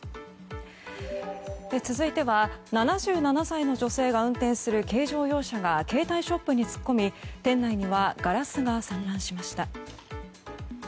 続いては、７７歳の女性が運転する軽乗用車が携帯ショップに突っ込み店内にはガラスが散乱しました。